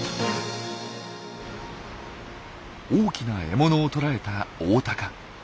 大きな獲物を捕らえたオオタカ。